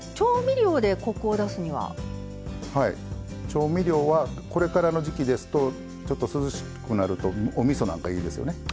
調味料はこれからの時季ですとちょっと涼しくなるとおみそなんかいいですよね。